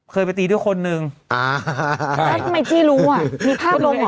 เคยไปตีด้วยคนนึงแล้วทำไมจี้รู้อ่ะมีภาพลงอ๋อ